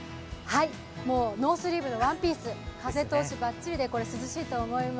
もうノースリーブのワンピース、風通しばっちりでこれ、涼しいと思います。